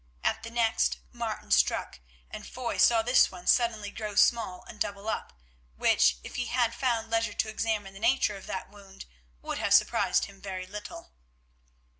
At the next Martin struck, and Foy saw this one suddenly grow small and double up, which, if he had found leisure to examine the nature of that wound, would have surprised him very little.